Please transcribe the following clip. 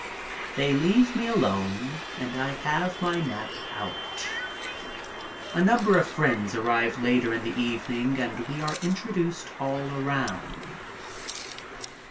They leave me alone and I have my nap out. A number of friends arrive later in the evening and we are introduced all around.